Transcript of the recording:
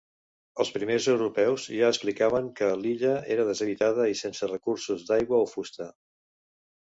Els primers europeus ja explicaven que l'illa era deshabitada i sense recursos d'aigua o fusta.